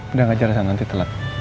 udah ngajar sana nanti telat